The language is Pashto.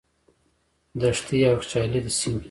دښتې او یخچالي سیمې.